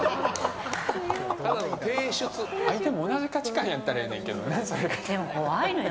相手も同じ価値観やったらええねんけどね。